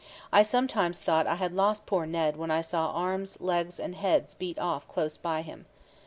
I sometimes thought I had lost poor Ned when I saw arms, legs, and heads beat off close by him.